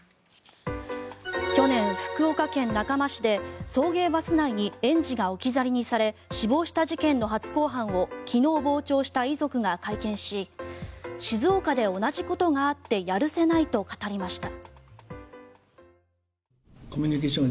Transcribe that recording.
去年、福岡県中間市で送迎バス内に園児が置き去りにされ死亡した事件の初公判を昨日、傍聴した遺族が会見し静岡で同じことがあってやるせないと語りました。